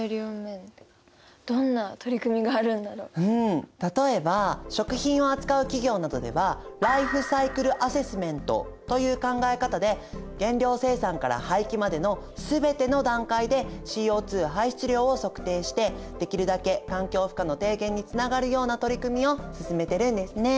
うん例えば食品を扱う企業などでは「ライフサイクルアセスメント」という考え方で原料生産から廃棄までのすべての段階でＣＯ排出量を測定してできるだけ環境負荷の低減につながるような取り組みを進めてるんですね。